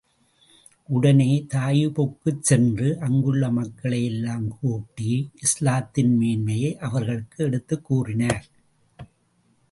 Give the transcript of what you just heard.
உடனே தாயிபுக்குச் சென்று, அங்குள்ள மக்களை எல்லாம் கூட்டி, இஸ்லாத்தின் மேன்மையை அவர்களுக்கு எடுத்துக் கூறினார்.